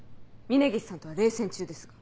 峰岸さんとは冷戦中ですが。